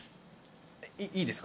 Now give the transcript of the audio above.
いいですか？